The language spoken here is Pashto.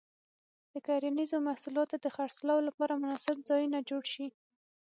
د کرنیزو محصولاتو د خرڅلاو لپاره مناسب ځایونه جوړ شي.